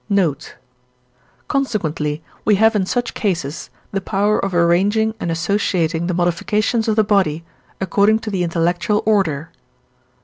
note); consequently we have in such cases the power of arranging and associating the modifications of the body according to the intellectual order.